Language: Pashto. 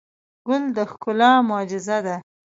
ګل د ښکلا معجزه ده.